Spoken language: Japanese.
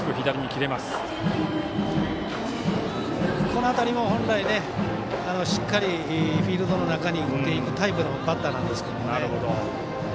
この辺りは本来しっかりとフィールドの中に打っていくタイプのバッターなんですけどね。